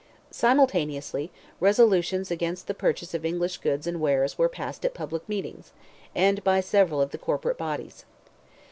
Simultaneously, resolutions against the purchase of English goods and wares were passed at public meetings, and by several of the corporate bodies.